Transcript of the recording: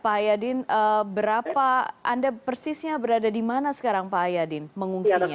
pak ayadin anda persisnya berada di mana sekarang pak ayadin mengungsinya